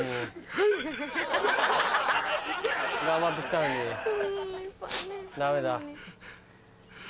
ハハハ！頑張って来たのに。ダメだ。